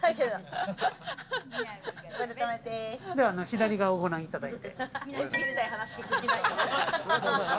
左側をご覧いただいて。